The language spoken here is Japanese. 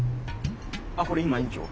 あっこれ今園長。